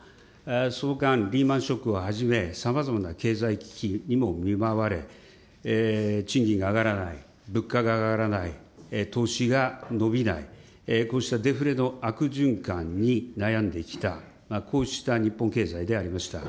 その間、リーマンショックをはじめ、さまざまな経済危機にも見舞われ、賃金が上がらない、物価が上がらない、投資が伸びない、こうしたデフレの悪循環に悩んできた、こうした日本経済でありました。